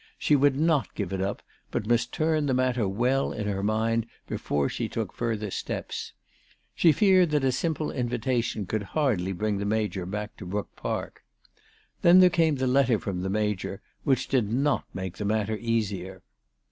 She would not give it up, but must turn the matter well in her mind before she took further steps. She feared that a simple invitation could hardly bring the Major back to Brook Park. Then there came the letter from the Major which did not make the matter easier.